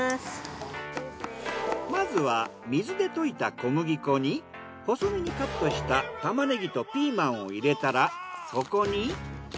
まずは水で溶いた小麦粉に細めにカットした玉ねぎとピーマンを入れたらそこに。